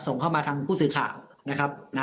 ส่งเข้ามาทางผู้สื่อข่าวนะครับ